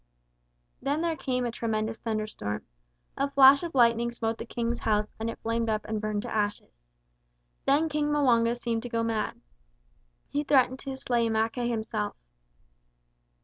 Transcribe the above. Then there came a tremendous thunderstorm. A flash of lightning smote the King's house and it flamed up and burned to ashes. Then King M'wanga seemed to go mad. He threatened to slay Mackay himself.